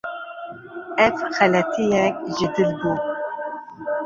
Ev xeletiyek ji dil bû.